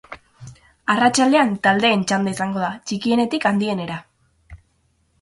Arratsaldean, taldeen txanda izango da, txikienetik handienera.